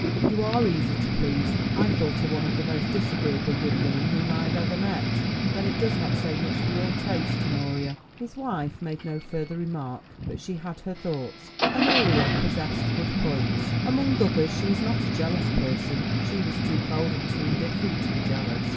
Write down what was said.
You are easy to please. I thought her one of the most disagreeable young women whom I ever met." "Then it does not say much for your taste, Honoria." His wife made no further remark, but she had her thoughts. Honoria possessed good points: among others she was not a jealous person; she was too cold and too indifferent to be jealous.